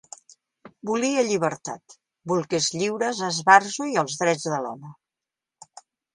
Volia llibertat; bolquers lliures, esbarjo i els drets de l'home.